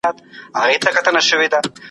دا انځورونه له هغه ښايسته دي.